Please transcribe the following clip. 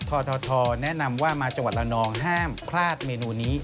ททแนะนำว่ามาจังหวัดละนองห้ามพลาดเมนูนี้